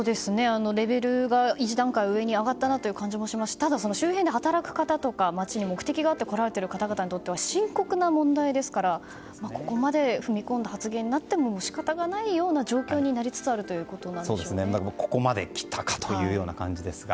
レベルが１段回上に上がった感じもしますしただその周辺で働く方とか街に目的があって来られている方々にとっては深刻な問題ですからここまで踏み込んだ発言になっても仕方がないような状況になりつつあるここまで来たかというような感じですが。